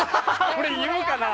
俺、言うかな？